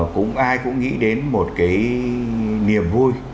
cũng ai cũng nghĩ đến một cái niềm vui